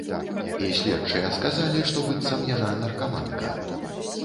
І следчыя сказалі, што быццам яна наркаманка.